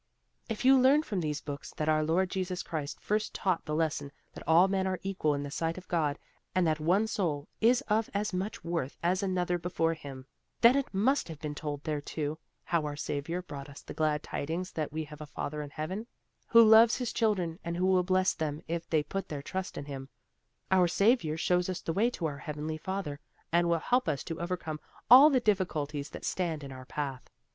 "If you learned from these books that our Lord Jesus Christ first taught the lesson that all men are equal in the sight of God, and that one soul is of as much worth as another before Him, then it must have been told there too, how our Savior brought us the glad tidings that we have a Father in Heaven, who loves His children and who will bless them if they put their trust in Him. Our Savior shows us the way to our Heavenly Father, and will help us to overcome all the difficulties that stand in our path.